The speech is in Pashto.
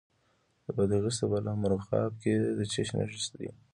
د بادغیس په بالامرغاب کې د څه شي نښې دي؟